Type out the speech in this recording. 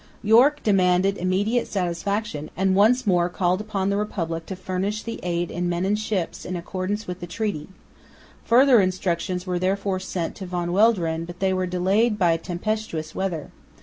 Yorke demanded immediate satisfaction and once more called upon the Republic to furnish the aid in men and ships in accordance with the treaty. Further instructions were therefore sent to Van Welderen, but they were delayed by tempestuous weather.